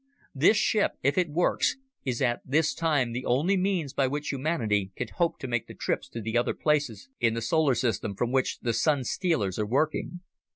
This ship, if it works, is at this time the only means by which humanity can hope to make the trips to the other places in the solar system from which the Sun stealers are working.